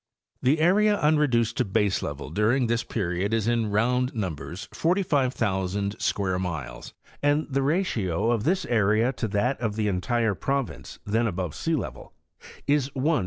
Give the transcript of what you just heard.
The area unreduced to baselevel during this period is in round numbers 45,000 square miles, and the ratio of this area to that of the entire province then above sealevel is 1:4.7..